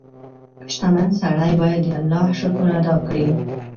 • شتمن سړی باید د الله شکر ادا کړي.